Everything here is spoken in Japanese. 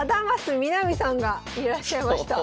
貞升南さんがいらっしゃいました。